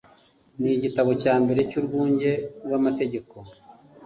n igitabo cya mbere cy Urwunge rw Amategeko